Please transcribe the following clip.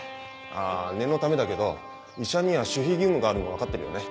あ念のためだけど医者には守秘義務があるの分かってるよね？